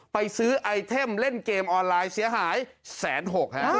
ไปซื้อไอเทมเล่นเกมออนไลน์เสียหาย๑๖๐๐ฮะ